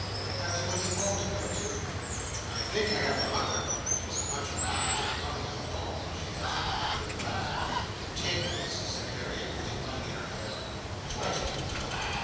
"Have you any home to go to?" "I think I have a mother. She's as much a mother, as her dwelling is a home," she answered with a bitter laugh. "Take this," cried Harriet, putting money in her hand. "Try to do well.